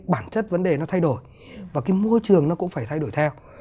bản chất vấn đề nó thay đổi và cái môi trường nó cũng phải thay đổi theo